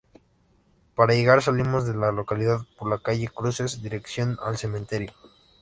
Para llegar salimos de la localidad por la calle Cruces dirección al Cementerio.